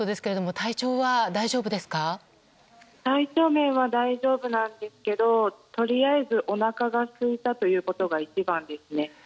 体調面は大丈夫なんですけどとりあえず、おなかがすいたということが一番ですね。